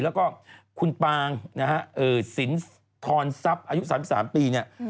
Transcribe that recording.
แล้วก็คุณปางนะฮะสินทรทรัพย์อายุ๓๓ปีเนี่ย